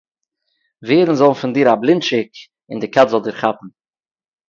ווערן זאָל פֿון דיר אַ בלינטשיק און די קאַץ זאָל דיך כאַפּן.